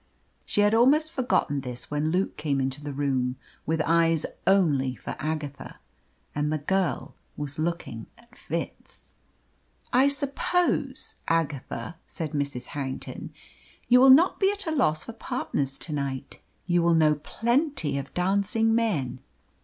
She had almost forgotten this when Luke came into the room with eyes only for Agatha and the girl was looking at Fitz. "I suppose, Agatha," said Mrs. Harrington, "you will not be at a loss for partners to night? You will know plenty of dancing men?"